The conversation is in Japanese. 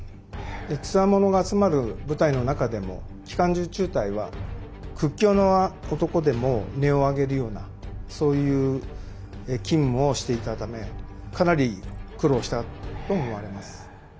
でつわものが集まる部隊の中でも機関銃中隊は屈強な男でも音を上げるようなそういう勤務をしていたためかなり苦労したと思われます。